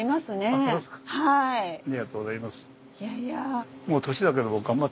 ありがとうございます。